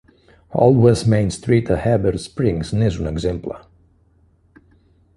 Old West Main Street a Heber Springs n'és un exemple.